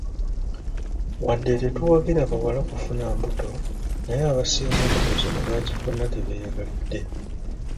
Wadde tetuwagira bawala kufuna mbuto naye abasinga embuto zino baazifuna tebeeyagalidde.